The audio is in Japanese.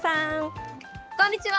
こんにちは。